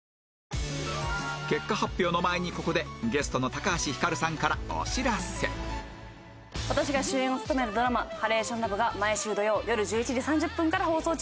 結果発表の前にここでゲストの私が主演を務めるドラマ『ハレーションラブ』が毎週土曜よる１１時３０分から放送中です。